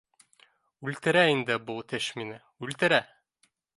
Үлтерә инде был теш мине, үлтерә!